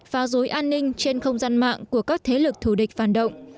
phá rối an ninh trên không gian mạng của các thế lực thù địch phản động